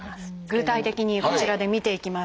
具体的にこちらで見ていきましょう。